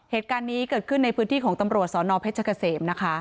เหตุการณ์นี้เกิดขึ้นในพืชพล